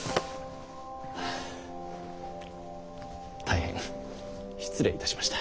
大変失礼いたしました。